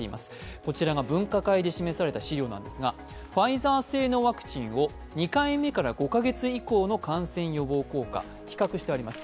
こちらが分科会で示された資料なんですが、ファイザー製のワクチンを２回目から５カ月以降の感染予防効果を比較してあります。